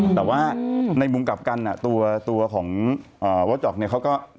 แต่ว่าในมุมกลับกันตัวของวาสดอกเขาก็